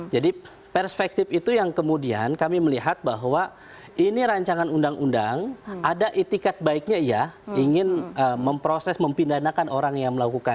jadi perspektif itu yang kemudian kami melihat bahwa ini rancangan undang undang ada etikat baiknya ya ingin memproses mempindahkan orang yang melakukan